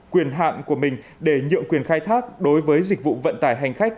quyền hạn của mình để nhượng quyền khai thác đối với dịch vụ vận tải hành khách